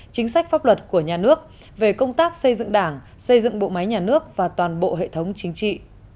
chính sách pháp luật của nhà nước về công tác xây dựng đảng xây dựng bộ máy nhà nước và toàn bộ hệ thống chính trị